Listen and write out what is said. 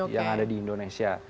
yang ada di indonesia